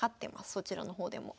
そちらの方でも。